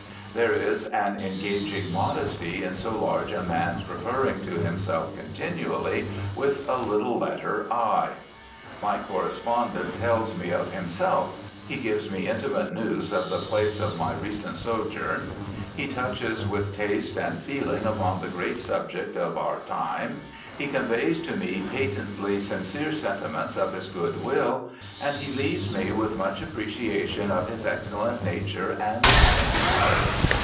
There is an engaging modesty in so large a man's referring to himself continually with a little letter "i." My correspondent tells me of himself, he gives me intimate news of the place of my recent sojourn, he touches with taste and feeling upon the great subject of our time, he conveys to me patently sincere sentiments of his good will, and he leaves me with much appreciation of his excellent nature and honest heart.